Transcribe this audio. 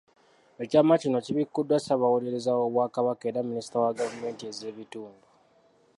Ekyama kino kibikuddwa Ssaabawolereza w'Obwakabaka era minisita wa gavumenti ez'ebitundu.